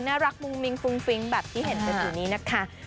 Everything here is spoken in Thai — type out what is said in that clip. น่ารักมุ่งมิ้งฟรุ้งฟริ้งแบบที่เห็นแบบนี้นะคะ